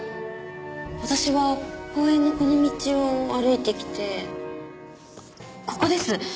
私は公園のこの道を歩いてきてここです！